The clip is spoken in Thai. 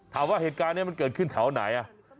ถามว่าเหตุการณ์นี้มันเกิดขึ้นแถวไหน